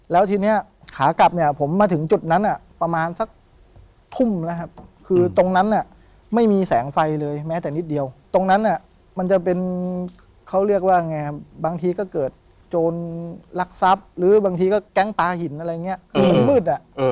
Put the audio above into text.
แล้วทีนี้ขากลับเนี่ยผมมาถึงจุดนั้นประมาณสักทุ่มนะครับคือตรงนั้นไม่มีแสงไฟเลยแม้แต่นิดเดียวตรงนั้นมันจะเป็นเขาเรียกว่าไงครับบางทีก็เกิดโจรรักทรัพย์หรือบางทีก็แก๊งปลาหินอะไรอย่างนี้คือมันมืด